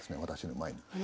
私の前に。